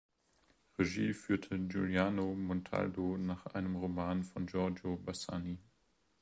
Regie führte Giuliano Montaldo nach einem Roman von Giorgio Bassani.